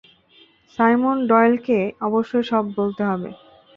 Simon ডয়েলকে অবশ্যই সব বলতে হবে।